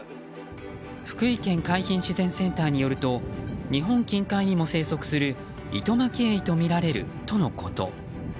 福井県海浜自然センターによると日本近海にも生息するイトマキエイとみられるとのこと。